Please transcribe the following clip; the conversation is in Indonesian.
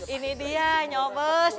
ini dia nyobes